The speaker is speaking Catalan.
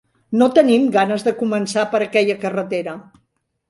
No tenim ganes de començar per aquella carretera.